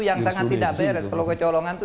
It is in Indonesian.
yang sangat tidak teres kalau kecolongan